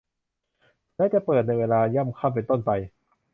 และจะเปิดในเวลาย่ำค่ำเป็นต้นไป